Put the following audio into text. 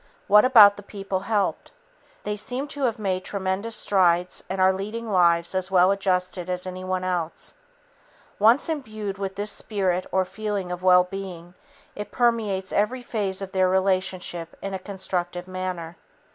What about the people helped? They seem to have made tremendous strides and are leading lives as well adjusted as anyone else. Once imbued with this spirit or feeling of well being, it permeates every phase of their relationships in a constructive manner.